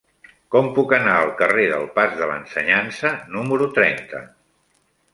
Com puc anar al carrer del Pas de l'Ensenyança número trenta?